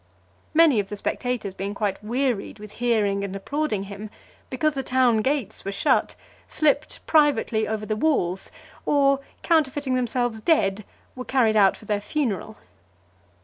Many of the spectators being quite wearied with hearing and applauding him, because the town gates were shut, slipped privately over the walls; or counterfeiting themselves dead, were carried out for their funeral.